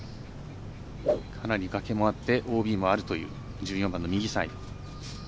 崖もあってＯＢもあるという１４番の右サイド。